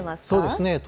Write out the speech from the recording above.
そうですね。